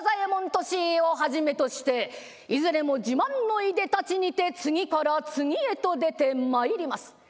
利家をはじめとしていずれも自慢のいでたちにて次から次へと出てまいります。